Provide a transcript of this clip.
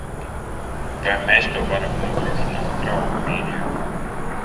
Vai mēs to varam nodrošināt, draugi mīļie?